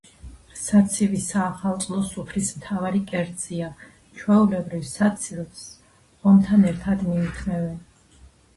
საცივი საახალწლო სუფრის მთავარი კერძია. ჩვეულებრივ, საცივს ღომთან ერთად მიირთმევენ.